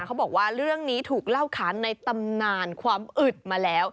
เขาบอกว่าเรื่องนี้ถูกเล่าขานในตำนานความอึดมาแล้ว